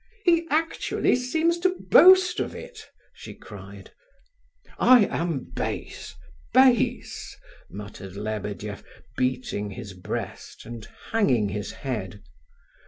"He actually seems to boast of it!" she cried. "I am base—base!" muttered Lebedeff, beating his breast, and hanging his head.